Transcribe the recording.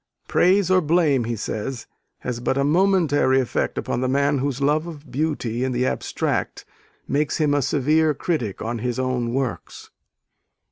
"Praise or blame," he says, "has but a momentary effect upon the man whose love of beauty in the abstract makes him a severe critic on his own works....